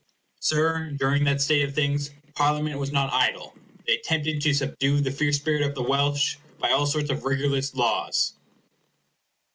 Sir, during that state of things, Parliament was not idle. They attempted to subdue the fierce spirit of the Welsh by all sorts of rigorous laws.